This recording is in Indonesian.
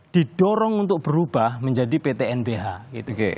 didorong untuk berubah menjadi ptn bh gitu